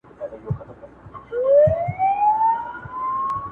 سپرېدل به پر ښايستو مستو آسونو.